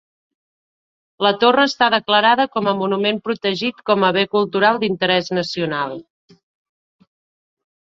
La torre està declarada com a monument protegit com a bé cultural d'interès nacional.